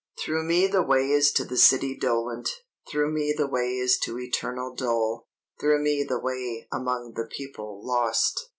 _' ("'Through me the way is to the city dolent; Through me the way is to eternal dole; Through me the way among the people lost!')